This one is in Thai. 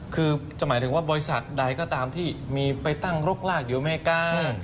คือจะหมายถึงว่าบริษัทใดก็ตามที่มีไปตั้งรกรากอยู่อเมริกา